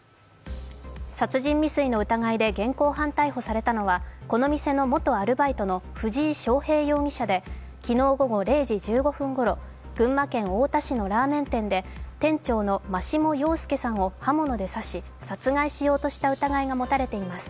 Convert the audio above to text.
殺人未遂の疑いで現行犯逮捕されたのは、この店の元アルバイトの藤井翔平容疑者で昨日午後０時１５分ごろ、群馬県太田市飯田町のラーメン店で店長の真下陽介さんを刃物で刺し、殺害しようとした疑いが持たれています。